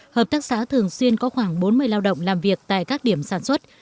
hợp tác xã thường xuyên có khoảng bốn mươi lao động làm việc tại các điểm sản xuất